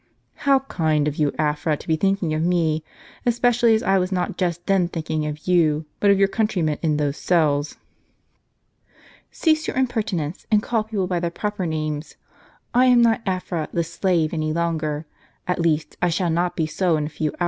wrra " How kind of you, Afra, to be thinking of me, especially as I was not just then thinking of you, but of your country men in those cells." " Cease your impertinence, and call people by their proper names. I am not Afra the slave any longer ; at least I shall not be so in a few